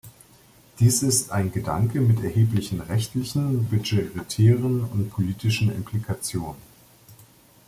Dies ist ein Gedanke mit erheblichen rechtlichen, budgetären und politischen Implikationen.